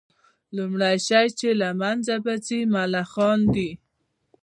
لومړى شى چي له منځه به ځي ملخان دي